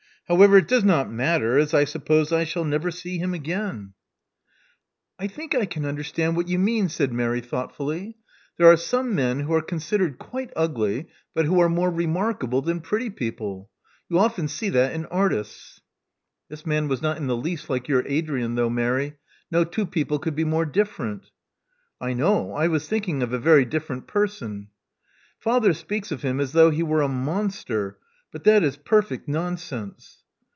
How ever, it does not matter, as I suppose I shall never see him again.*' Love Among the Artists 79 ••I think I can understand what you mean,'* said Mary thoughtfully. There are some men who are considered quite ugly, but who are more remark able than pretty people. You often see that in artists." This man was not in the least like your Adrian, though, Mary. No two people could be more different." I know. I was thinking of a very different person." Father speaks of him as though he were a monster; but that is perfect nonsense."